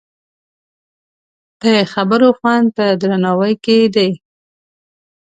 د خبرو خوند په درناوي کې دی